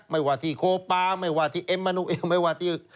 ไม่ว่าที่โคปาไม่ว่าที่เอ็มมานูเองไม่ว่าที่